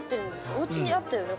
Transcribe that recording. おうちにあったよね？